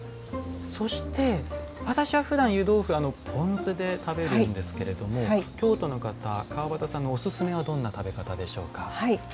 そして私はふだん湯豆腐ポン酢で食べるんですけれども京都の方川端さんのおすすめはどんな食べ方でしょうか？